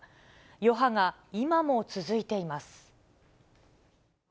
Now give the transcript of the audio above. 余波が今も続いています。